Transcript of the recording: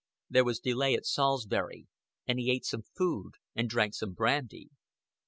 There was delay at Salisbury, and he ate some food and drank some brandy.